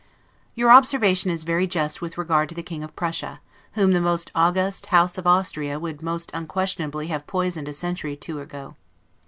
Your observation is very just with regard to the King of Prussia, whom the most august House of Austria would most unquestionably have poisoned a century or two ago.